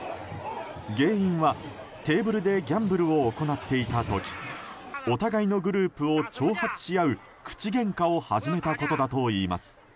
原因は、テーブルでギャンブルを行っていた時お互いのグループを挑発し合う口げんかを始めたことだといいます。